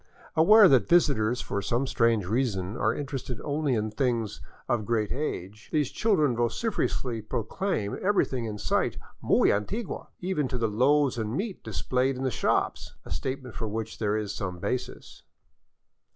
Aware that visitors, for some strange reason, are interested only in things of great 495 VAGABONDING DOWN THE ANDES age, these children vociferously proclaim everything in sight " muy antigua," even to the loaves and meat displayed in the shops, a state ment for which there is some basis.